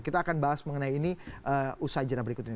kita akan bahas mengenai ini usaha jalan berikut ini